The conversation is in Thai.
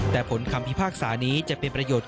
แต่ผลคำพิพากษานี้จะเป็นประโยชน์